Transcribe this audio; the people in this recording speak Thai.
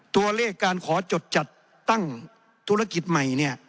ตัวเลขการขอจดจัดตั้งธุรกิจใหม่เนี่ย